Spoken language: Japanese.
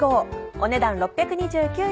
お値段６２９円。